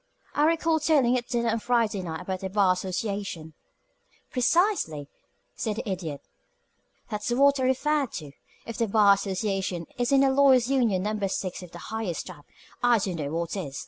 "I recall telling at dinner on Friday night about the Bar Association " "Precisely," said the Idiot. "That's what I referred to. If the Bar Association isn't a Lawyer's Union Number Six of the highest type, I don't know what is.